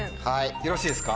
よろしいですか？